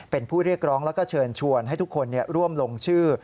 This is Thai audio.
เป็นผู้เรียกร้องแล้วก็เชิญชวนให้ทุกคนร่วมลงชื่อ